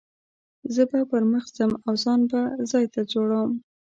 زه به پر مخ ځم او ځان ته به ځای جوړوم.